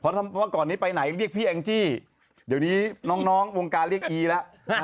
เพราะเมื่อก่อนนี้ไปไหนเรียกพี่แองจี้เดี๋ยวนี้น้องวงการเรียกอีแล้ว